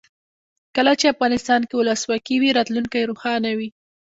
کله چې افغانستان کې ولسواکي وي راتلونکی روښانه وي.